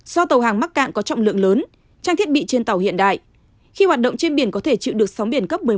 do tàu hàng mắc cạn có trọng lượng lớn trang thiết bị trên tàu hiện đại khi hoạt động trên biển có thể chịu được sóng biển cấp một mươi một